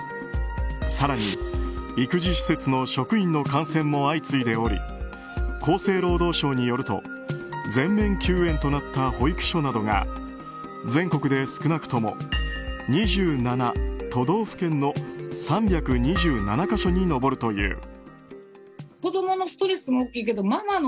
更に、育児施設の職員の感染も相次いでおり厚生労働省によると全面休園となった保育所などが全国で少なくとも２７都道府県の３２７か所に上るという。